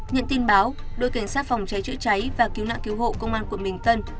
nhận tin báo đội cảnh sát phòng cháy chữa cháy và cứu nạn cứu hộ công an quận bình tân